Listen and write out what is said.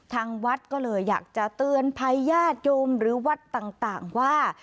ทางวัดก็เลยอยากจะเตือนภัยญาติโยมหรือวัดต่างว่า